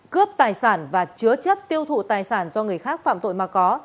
cướp tài sản và chứa chấp tiêu thụ tài sản do người khác phạm tội mà có